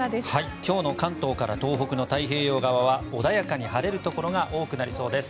今日の関東から東北の太平洋側は穏やかに晴れるところが多くなりそうです。